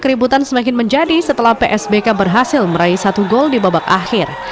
keributan semakin menjadi setelah psbk berhasil meraih satu gol di babak akhir